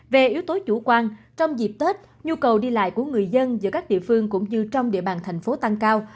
về yếu tố chủ quan trong dịp tết nhu cầu đi lại của người dân giữa các địa phương cũng như trong địa bàn thành phố tăng cao